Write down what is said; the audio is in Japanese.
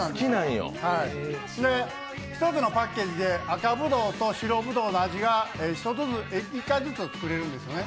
１つのパッケージで赤ぶどうと白ぶどうの味が１回ずつ作れるんですよね。